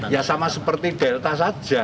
ya sama seperti delta saja